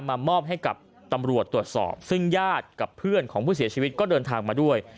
มามอบให้กับตำรวจตรวจสอบซึ่งญาติกับเพื่อนของผู้เสียชีวิตก็เดินทางมาด้วย